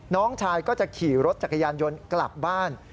น้องชายก็จะขี่รถจักรยานยนต์กลับบ้าน